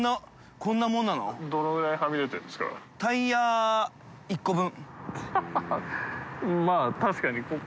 タイヤ１個分。